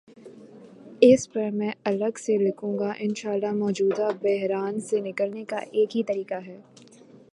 اس پرمیں الگ سے لکھوں گا، انشا اللہ مو جودہ بحران سے نکلنے کا ایک ہی طریقہ ہے۔